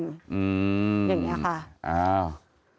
อย่างนี้ค่ะอ้าว